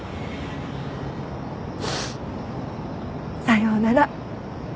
さようなら。